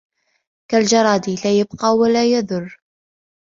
كالجراد: لا يبقى ولا يذر